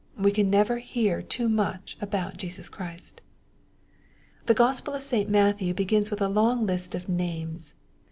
We can never hear too much about Jesus Christ. The Gospel of St. Matthew begins with a long list of names.